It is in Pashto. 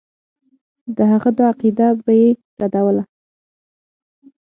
د هغه دا عقیده به یې ردوله.